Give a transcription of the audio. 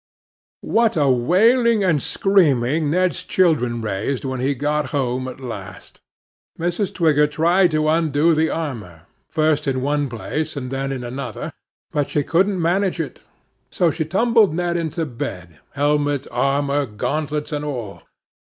What a wailing and screaming Ned's children raised when he got home at last! Mrs. Twigger tried to undo the armour, first in one place, and then in another, but she couldn't manage it; so she tumbled Ned into bed, helmet, armour, gauntlets, and all.